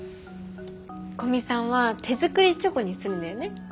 古見さんは手作りチョコにするんだよね？